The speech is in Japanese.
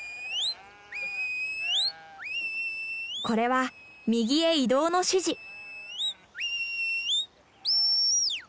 これは「右へ移動」の指示。